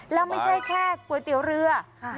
แล้วไม่ใช่แค่ก๋วยเตี๋ยวเรือ